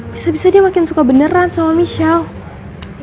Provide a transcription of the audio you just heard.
bisa bisa dia makin suka beneran sama michelle